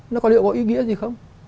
nó có liệu có ý nghĩa gì không